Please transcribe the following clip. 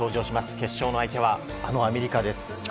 決勝の相手はあのアメリカです。